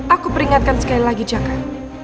aku peringatkan sekali lagi jangan